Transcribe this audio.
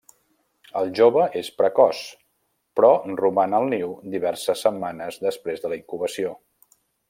El jove és precoç, però roman al niu diverses setmanes després de la incubació.